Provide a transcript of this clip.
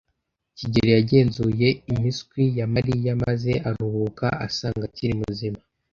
kigeli yagenzuye impiswi ya Mariya maze aruhuka asanga akiri muzima.